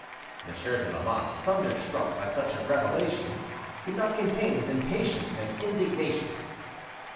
Monsieur de Lamotte, thunderstruck by such a revelation, could not contain his impatience and indignation.